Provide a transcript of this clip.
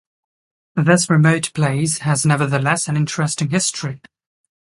This remote place has nevertheless an interesting history.